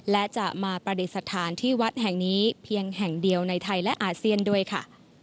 และจะมาประดิษฐานที่วัดแห่งนี้เพียงแห่งเดียวในไทยและอาเซียนด้วยค่ะ